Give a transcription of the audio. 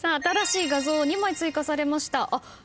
新しい画像２枚追加されました。